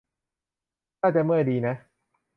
น่าจะเมื่อยดีนะ